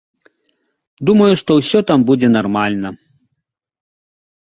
Думаю, што ўсё там будзе нармальна.